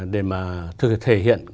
để mà thể hiện